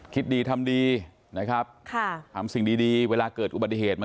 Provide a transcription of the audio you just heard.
คิดดีทำดีนะครับทำสิ่งดีเวลาเกิดอุบัติเหตุ